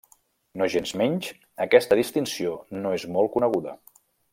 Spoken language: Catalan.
Nogensmenys aquesta distinció no és molt coneguda.